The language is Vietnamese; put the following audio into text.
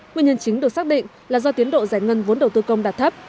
nguyên nhân chính được xác định là do tiến độ giải ngân vốn đầu tư công đạt thấp